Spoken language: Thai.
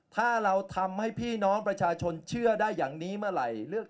ถ้าเราทำให้พี่น้องประชาชนเชื่อได้อย่างนี้เมื่อไหร่